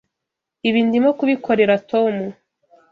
Ibi ndimo kubikorera Tom.